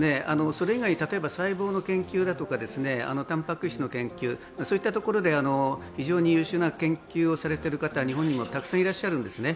それ以外に例えば細胞の研究だとか、たんぱく質の研究、そういったところで非常に優秀な研究をされている方、日本にもたくさんいらっしゃるんですね。